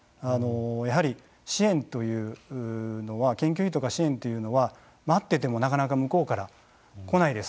やはり支援というのは研究費とか支援というのは待っててもなかなか向こうから来ないです。